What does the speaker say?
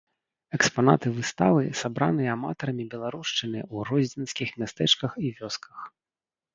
Экспанаты выставы сабраныя аматарамі беларушчыны ў гродзенскіх мястэчках і вёсках.